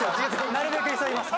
なるべく急ぎます。